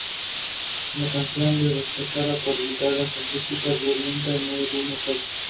En dicha misión se concretó un primer contacto con los romulanos.